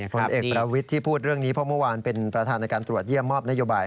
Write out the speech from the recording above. ผลเอกประวิทย์ที่พูดเรื่องนี้เพราะเมื่อวานเป็นประธานในการตรวจเยี่ยมมอบนโยบาย